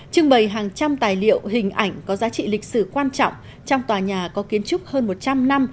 trưng bày hàng trăm tài liệu hình ảnh có giá trị lịch sử quan trọng trong tòa nhà có kiến trúc hơn một trăm linh năm